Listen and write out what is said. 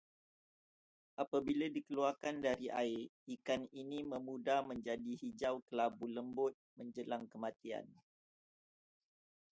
Apabila dikeluarkan dari air, ikan ini memudar menjadi hijau-kelabu lembut menjelang kematian